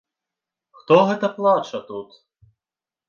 Хто гэта плача тут?